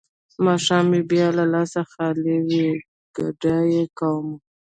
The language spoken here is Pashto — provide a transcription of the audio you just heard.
ماښام مې بيا هم لاس خالي وي ګدايي کومه.